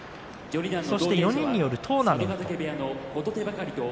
そして４人によるトーナメント。